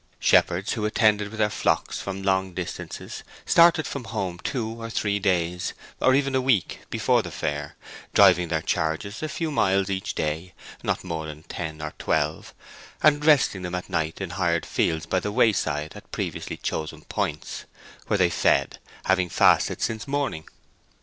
Shepherds who attended with their flocks from long distances started from home two or three days, or even a week, before the fair, driving their charges a few miles each day—not more than ten or twelve—and resting them at night in hired fields by the wayside at previously chosen points, where they fed, having fasted since morning.